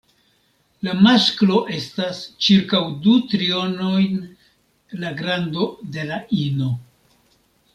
La masklo estas ĉirkaŭ du trionojn la grando de la ino.